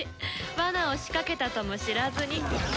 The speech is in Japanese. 罠を仕掛けたとも知らずに。